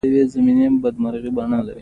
حیوانات ځینې وختونه د اوبو سره لوبې کوي.